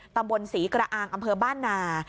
ตำบลศรีกระอางอำเภอบ้านนา